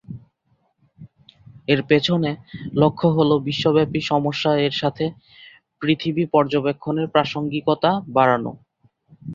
এর পেছনে লক্ষ্য হল বিশ্বব্যাপী সমস্যা এর সাথে পৃথিবী পর্যবেক্ষণের প্রাসঙ্গিকতা বাড়ানো।